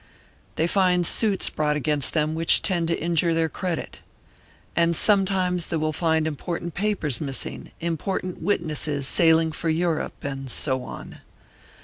They find suits brought against them which tend to injure their credit. And sometimes they will find important papers missing, important witnesses sailing for Europe, and so on.